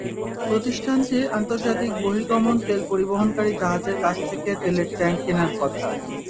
প্রতিষ্ঠানটির আন্তর্জাতিক বহির্গমন তেল পরিবহনকারী জাহাজের কাছ থেকে তেলের ট্যাংক কেনার কথা।